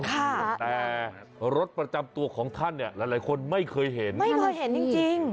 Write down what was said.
แต่รถประจำตัวของท่านเนี่ยหลายหลายคนไม่เคยเห็นไม่เคยเห็นจริงจริง